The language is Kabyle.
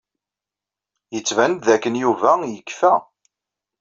Yettban-d dakken Yuba yekfa.